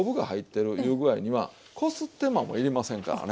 いう具合にはこす手間もいりませんからね。